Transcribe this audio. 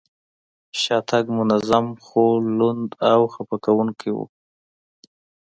شاتګ منظم، خو لوند او خپه کوونکی و.